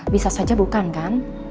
bisa saja bukan kan